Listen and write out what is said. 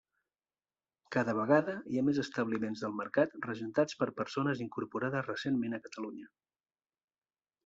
Cada vegada hi ha més establiments del mercat regentats per persones incorporades recentment a Catalunya.